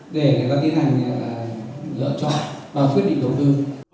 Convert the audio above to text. để người ta tiến hành lựa chọn và quyết định đầu tư